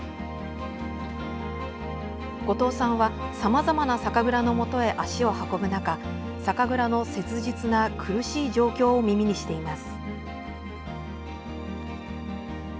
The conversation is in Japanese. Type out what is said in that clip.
後藤さんはさまざまな酒蔵のもとへ足を運ぶ中酒蔵の切実な苦しい状況を耳にしています。